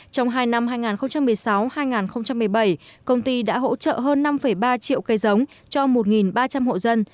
trong hai năm hai nghìn một mươi sáu hai nghìn một mươi bảy công ty đã hỗ trợ hơn năm ba triệu cây giống cho một ba trăm linh hộ dân